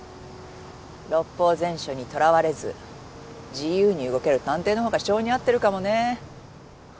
「六法全書」にとらわれず自由に動ける探偵のほうが性に合ってるかもね。